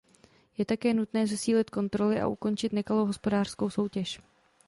Je také nutné zesílit kontroly a ukončit nekalou hospodářskou soutěž.